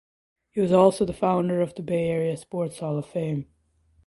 He was also the founder of the Bay Area Sports Hall of Fame.